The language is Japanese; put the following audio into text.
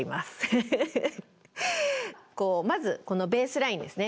まずこのベースラインですね。